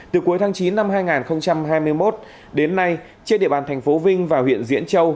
từ cuối tháng chín năm hai nghìn hai mươi một đến nay trên địa bàn thành phố vinh và huyện diễn châu